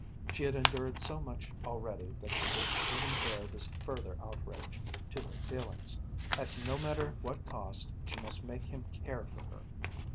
She had endured so much already that she could even bear this further outrage to her feelings. At no matter what cost she must make him care for her.